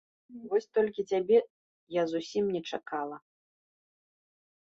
Вось толькі цябе я зусім не чакала.